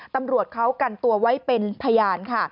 ตำรวจเขากันตัวไว้เป็นพยานค่ะ